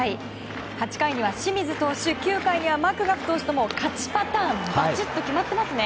８回には清水投手９回にはマクガフ投手と勝ちパターンがはまっていますね。